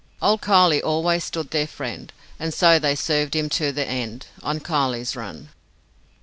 Old Kiley always stood their friend, And so they served him to the end On Kiley's Run.